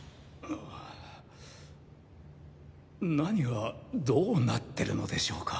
何がどうなってるのでしょうか？